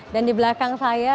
dan di belakang saya